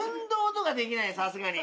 さすがに。